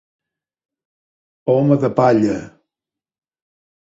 Home de palla.